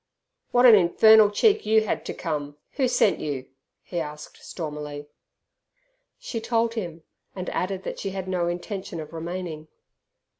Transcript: "What an infernal cheek you had to come! Who sent you?" he asked stormily. She told him, and added that she had no intention of remaining.